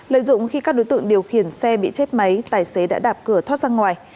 lợi dụng khi các đối tượng điều khiển xe bị chết máy tài xế đã đạp cửa thoát ra ngoài